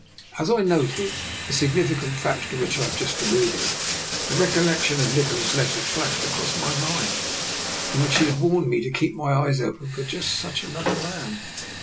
As I noted the significant fact to which I have just alluded, the recollection of Niko la's letter flashed across my mind, in which he had warned me to keep my eyes open for just such another man.